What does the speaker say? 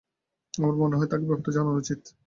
আমার মনে হয়, তাঁকে ব্যাপারটা জানানো উচিত।